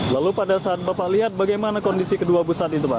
lalu pada saat bapak lihat bagaimana kondisi kedua busat itu pak